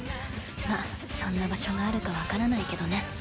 まっそんな場所があるか分からないけどね。